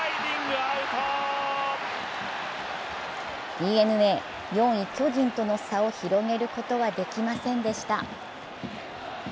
ＤｅＮＡ、４位・巨人との差を広げることはできませんでした。